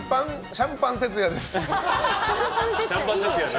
シャンパン哲也です。